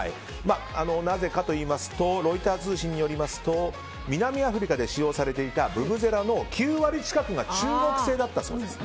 なぜかといいますとロイター通信によりますと南アフリカで使用されていたブブゼラの９割近くが中国製だったそうです。